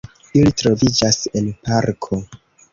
Ili troviĝas en parko.